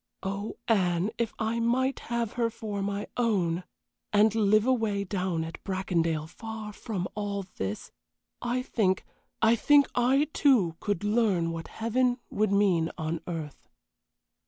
Oh, Anne, if I might have her for my own, and live away down at Bracondale far from all this, I think I think I, too, could learn what heaven would mean on earth."